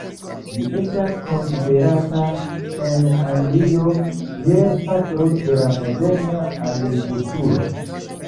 Li estas konsiderata en Anglio kiel "patro" de la moderna agrikulturo.